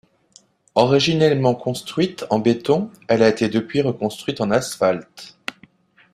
Originellement construite en béton, elle a été depuis reconstruite en asphalte.